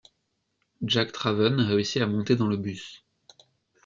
Jack Traven réussit à monter dans le bus.